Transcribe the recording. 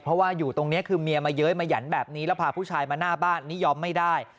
เพราะว่าอยู่ตรงนี้คือเมียมาเย้ยมาหยันแบบนี้แล้วพาผู้ชายมาหน้าบ้านนี่ยอมไม่ได้